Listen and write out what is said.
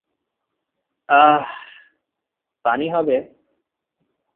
আহহহ পানি হবে।